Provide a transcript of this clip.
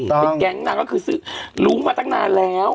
เป็นแก๊งนางก็คือซื้อรู้มาตั้งนานแล้ว